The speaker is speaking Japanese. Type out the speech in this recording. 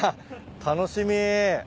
楽しみ。